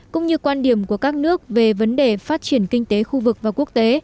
cũng như quan điểm của các nước về vấn đề phát triển kinh tế khu vực và quốc tế